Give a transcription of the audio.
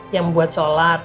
yang buat sholat